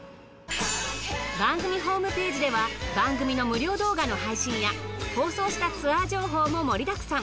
番組ホームページでは番組の無料動画の配信や放送したツアー情報も盛りだくさん！